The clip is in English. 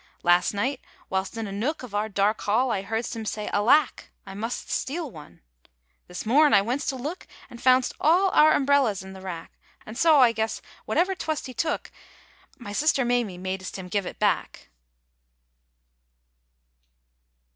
Last night whilst in a nook Of our dark hall I heardst him say: " Alack! I must steal one! " This morn I went st to look And found st all our umbrellas in the rack, And so I guess whatever twast he took, My sister Maymie madest him give it back.